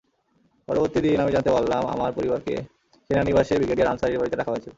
পরবর্তী দিন আমি জানতে পারলাম, আমার পরিবারকে সেনানিবাসে ব্রিগেডিয়ার আনসারির বাড়িতে রাখা হয়েছিল।